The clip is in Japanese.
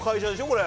これ。